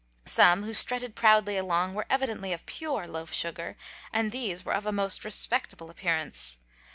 Some, who strutted proudly along, were evidently of pure loaf sugar, and these were of a most respectable appearance.